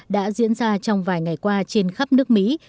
đã diễn ra trong vài ngày qua trên khắp nước mỹ